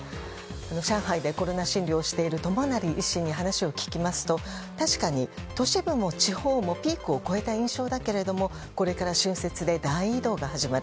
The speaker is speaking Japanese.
上海でコロナ診療をしている友成医師に話を聞きますと確かに都市部も地方もピークを越えた印象だけどもこれから春節で大移動が始まる。